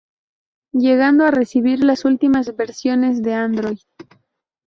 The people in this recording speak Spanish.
Llegando a recibir las últimas versiones de Android.